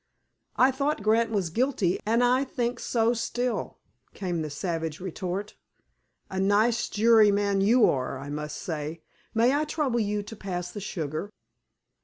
"I thought Grant was guilty, and I think so still," came the savage retort. "A nice juryman you are, I must say! May I trouble you to pass the sugar?"